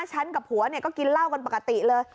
ฉันกับผัวเนี่ยก็กินเหล้ากันปกติเลย